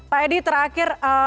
pak edi terakhir